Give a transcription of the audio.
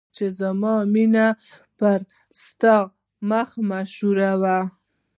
چې زما مینه پر ستا مخ مشهوره شوه.